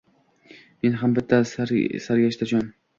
Men ham bitta sargashta jon